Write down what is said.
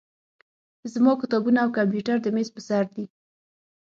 زما کتابونه او کمپیوټر د میز په سر دي.